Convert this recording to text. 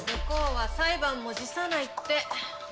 向こうは裁判も辞さないって。